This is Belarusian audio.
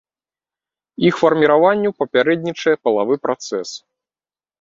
Іх фарміраванню папярэднічае палавы працэс.